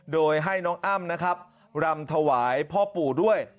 โดยให้น้องอ้ำนะครับรำถวายพ่อปู่ด้วย